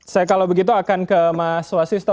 saya kalau begitu akan ke mas wasisto